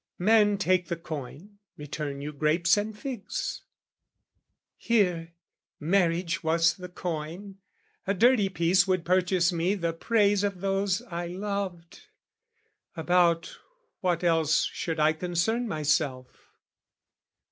Men take the coin, return you grapes and figs. Here, marriage was the coin, a dirty piece Would purchase me the praise of those I loved: About what else should I concern myself?